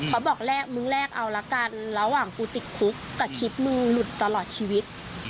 เขาบอกมึงแลกเอาละกันระหว่างกูติดคุกกับคลิปมึงหลุดตลอดชีวิต